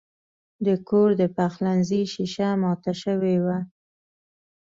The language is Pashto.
د کور د پخلنځي شیشه مات شوې وه.